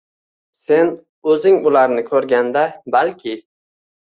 Sen o’zing ularni ko’rganda, balki